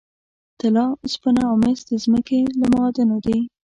طلا، اوسپنه او مس د ځمکې له معادنو دي.